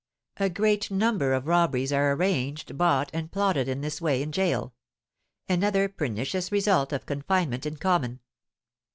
A great number of robberies are arranged, bought, and plotted in this way in gaol, another pernicious result of confinement in common.